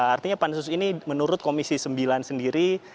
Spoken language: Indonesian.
artinya pan sus ini menurut komisi sembilan sendiri